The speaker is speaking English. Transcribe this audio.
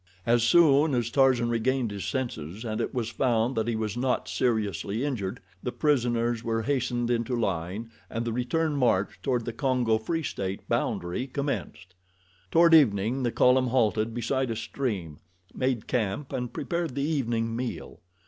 As soon as Tarzan regained his senses and it was found that he was not seriously injured, the prisoners were hastened into line and the return march toward the Congo Free State boundary commenced. Toward evening the column halted beside a stream, made camp and prepared the evening meal.